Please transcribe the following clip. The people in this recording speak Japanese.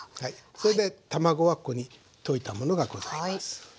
それで卵はここに溶いたものがございます。